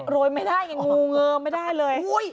โรยไม่ได้งูเงิมไม่ได้เลย